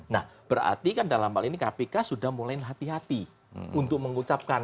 nah berarti kan dalam hal ini kpk sudah mulai hati hati untuk mengucapkan